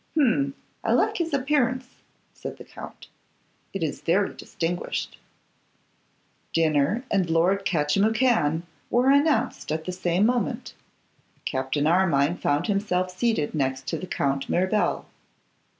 'Hum! I like his appearance,' said the Count. 'It is very distinguished.' Dinner and Lord Catchimwhocan were announced at the same moment; Captain Armine found himself seated next to the Count Mirabel.